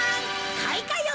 かいかよ